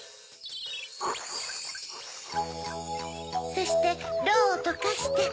そしてロウをとかして。